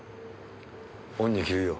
恩に着るよ。